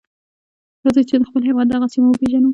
راځئ چې د خپل هېواد دغه سیمه وپیژنو.